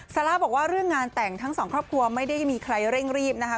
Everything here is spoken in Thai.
ซาร่าบอกว่าเรื่องงานแต่งทั้งสองครอบครัวไม่ได้มีใครเร่งรีบนะคะ